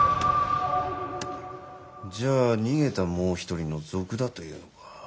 じゃあ逃げたもう一人の賊だというのか？